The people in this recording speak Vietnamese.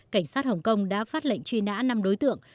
cảnh sát hồng kông đã phát lệnh truy nã năm đối tượng